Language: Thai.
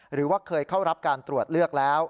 หรือว่าเคยเข้ารับการตรวจเลือกแล้ว